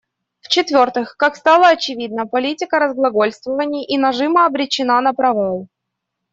В-четвертых, как стало очевидно, политика разглагольствований и нажима обречена на провал.